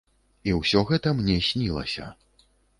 І ўсё гэта мне снілася.